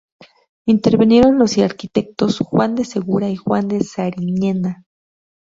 Intervinieron los arquitectos "Juan de Segura" y Juan de Sariñena.